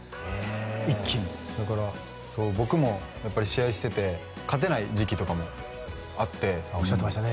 一気にえっだから僕も試合してて勝てない時期とかもあっておっしゃってましたね